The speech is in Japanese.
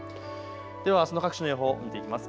ではあすの各地の予報を見ていきます。